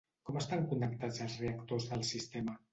Com estan connectats els reactors del sistema?